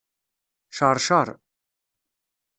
Ceṛceṛ.